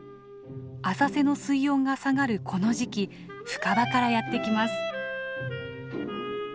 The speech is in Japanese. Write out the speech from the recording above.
浅瀬の水温が下がるこの時期深場からやって来ます。